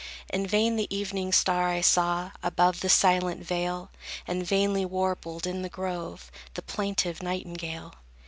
In vain the evening star I saw Above the silent vale, And vainly warbled in the grove The plaintive nightingale.